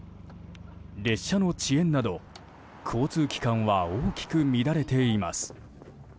列車の遅延など交通機関は大きく乱れています。